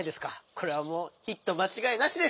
これはもうヒットまちがいなしです。